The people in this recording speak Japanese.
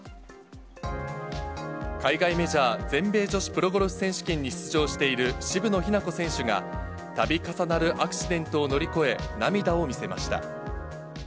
海外メジャー、全米女子プロゴルフ選手権に出場している渋野日向子選手が、たび重なるアクシデントを乗り越え、涙を見せました。